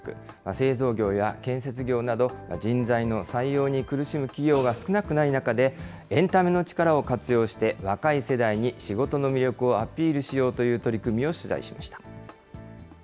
製造業や建設業など、人材の採用に苦しむ企業が少なくない中で、エンタメの力を活用して、若い世代に仕事の魅力をアピールしようという取り組みを取材しました。